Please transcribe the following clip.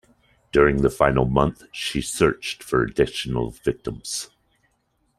During the final month she searched for additional victims.